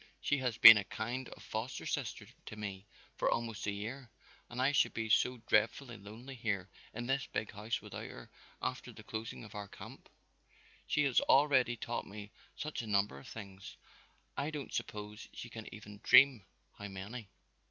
"She has been a kind of foster sister to me for almost a year and I should be so dreadfully lonely here in this big house without her after the closing of our camp. She has already taught me such a number of things, I don't suppose she can even dream how many!